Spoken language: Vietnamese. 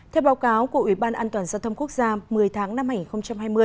theo báo cáo của ủy ban an toàn giao thông quốc gia một mươi tháng năm hai nghìn hai mươi